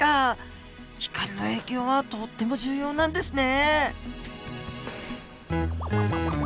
光の影響はとっても重要なんですね。